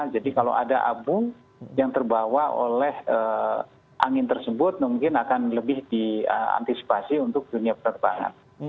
jadi kalau ada abu yang terbawa oleh angin tersebut mungkin akan lebih diantisipasi untuk dunia penerbangan